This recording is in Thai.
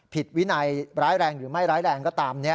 ผิดวินัยร้ายแรงหรือไม่ร้ายแรงก็ตาม